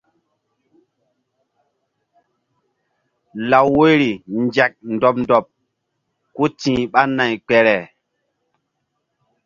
Law woyri nzek ndɔɓ ndɔɓ ku ti̧h ɓa nay kpere.